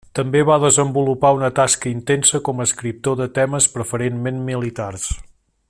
També va desenvolupar una tasca intensa com a escriptor de temes preferentment militars.